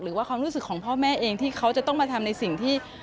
ความรู้สึกของพ่อแม่เองที่เขาจะต้องมาทำในสิ่งที่